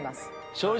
正直。